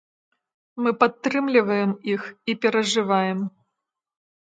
Мы падтрымліваем іх і перажываем.